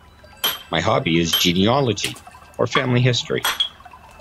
My hobby is genealogy, or family history.